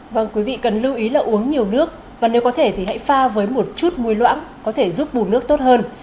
vâng quý vị cần lưu ý là uống nhiều nước và nếu có thể thì hãy pha với một chút mùi loãng có thể giúp bùn nước tốt hơn